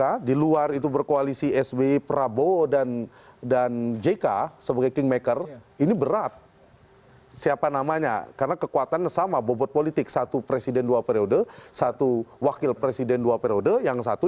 anies waswenan akan ambil peluang itu